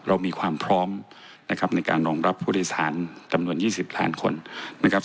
เรามีความพร้อมนะครับในการรองรับผู้โดยสารจำนวน๒๐ล้านคนนะครับ